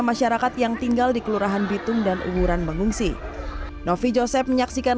masyarakat yang tinggal di kelurahan bitung dan uwuran mengungsi novi joseph menyaksikan